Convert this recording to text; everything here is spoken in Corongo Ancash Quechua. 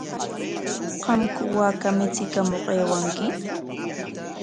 ¿Qamku waaka michikamuq aywanki?